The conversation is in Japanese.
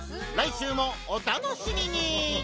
来週もお楽しみに！